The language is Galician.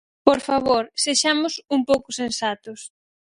Por favor, ¡sexamos un pouco sensatos!